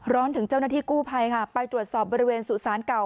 ถึงเจ้าหน้าที่กู้ภัยค่ะไปตรวจสอบบริเวณสุสานเก่า